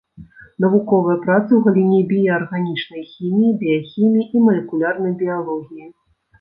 Навуковыя працы ў галіне біяарганічнай хіміі, біяхіміі і малекулярнай біялогіі.